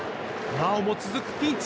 なおも続くピンチ。